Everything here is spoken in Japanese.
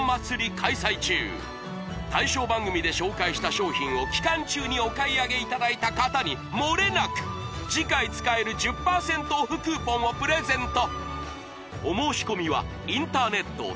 開催中対象番組で紹介した商品を期間中にお買い上げいただいた方にもれなく次回使える１０％ＯＦＦクーポンをプレゼント！